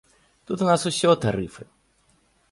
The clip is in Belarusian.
Тут у нас усё тарыфы.